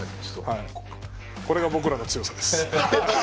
これが僕らの強さです。